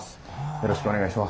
よろしくお願いします。